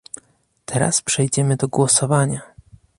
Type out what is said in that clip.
Teraz przejdziemy do głosowania